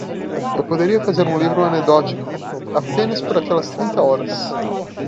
Eu poderia fazer um livro anedótico apenas por aquelas trinta horas.